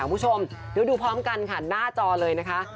คุณผู้ชมเดี๋ยวดูพร้อมกันค่ะหน้าจอเลยนะคะ